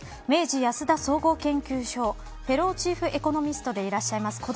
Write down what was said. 明治安田総合研究所フェローチーフエコノミストでいらしゃる